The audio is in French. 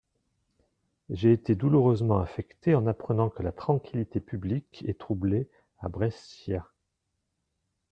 J'ai été douloureusement affecté en apprenant que la tranquillité publique est troublée à Brescia.